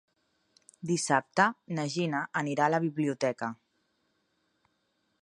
Dissabte na Gina anirà a la biblioteca.